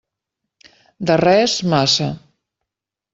De res, massa.